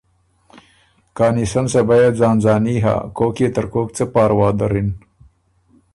کانی سن صبا يې ځان ځاني هۀ کوک يې ترکوک څۀ پاروا دَرِن۔